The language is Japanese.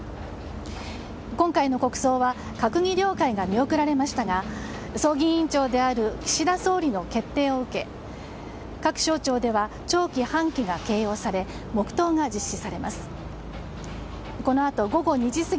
今回の国葬は閣議了解が見送られましたが葬儀委員長である岸田総理の決定を受け各省庁では弔旗、半旗が掲揚され黙祷が実施されます。